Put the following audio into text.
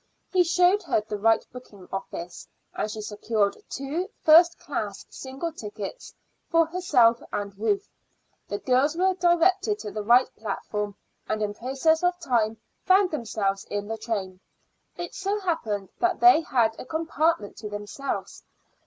He showed her the right booking office, and she secured two first class single tickets for herself and Ruth. The girls were directed to the right platform, and in process of time found themselves in the train. It so happened that they had a compartment to themselves.